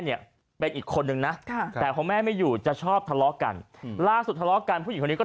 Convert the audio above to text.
เนี่ยเป็นอีกคนนะวะแม่ไม่อยู่ชอบทะเลาะกันล่าสุทธิกักพี่ตอด